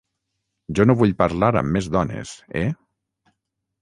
Jo no vull parlar amb més dones, eh?